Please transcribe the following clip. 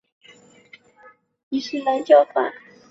殖民当局倾向使用阿拉伯语和伊斯兰教法。